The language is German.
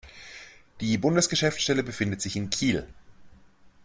Die Bundesgeschäftsstelle befindet sich in Kiel.